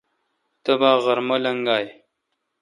تبا غرمہ لگائہ۔